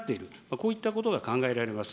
こういったことが考えられます。